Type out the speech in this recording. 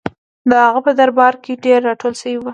د هغه په درباره کې ډېر راټول شوي وو.